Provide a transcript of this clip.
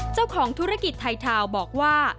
เจ้าของธุรกิจไทยทาวน์บอกว่า